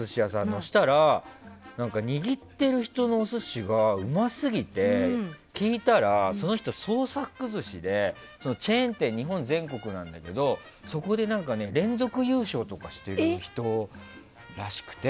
そうしたら、握ってる人のお寿司がうますぎて聞いたら、その人は創作寿司でチェーン店、日本全国なんだけどそこで連続優勝とかしてる人らしくて。